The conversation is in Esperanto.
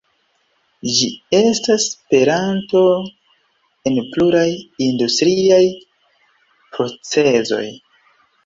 Ĝi estas peranto en pluraj industriaj procezoj.